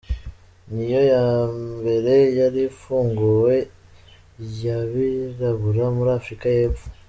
Niyo ya mbere yari ifunguwe y’abirabura muri Africa y’Epfo.